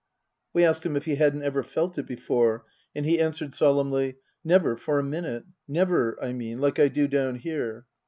We asked him if he hadn't ever felt it before ; and he answered solemnly, " Never for a minute. Never, I mean, like I do down here.